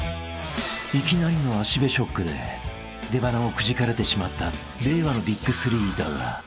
［いきなりのあしべショックで出ばなをくじかれてしまった令和のＢＩＧ３だが］